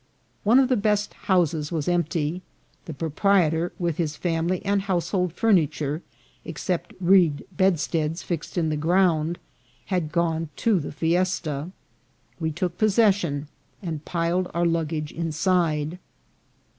One of the best houses was empty ; the propri etor, with his family and household furniture, except reed bedsteads fixed in the ground, had gone to the fiesta. We took possession, and piled our luggage in side.